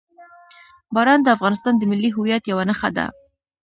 باران د افغانستان د ملي هویت یوه نښه ده.